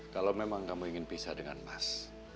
kalo memang kamu ingin pisah dengan mas